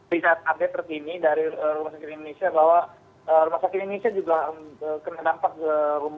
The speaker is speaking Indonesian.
bisa update terkini dari rumah sakit indonesia bahwa rumah sakit indonesia juga kena dampak